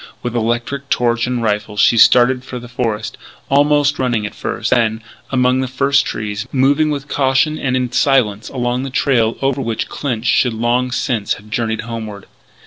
With electric torch and rifle she started for the forest, almost running at first; then, among the first trees, moving with caution and in silence along the trail over which Clinch should long since have journeyed homeward.